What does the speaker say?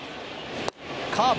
カーブ。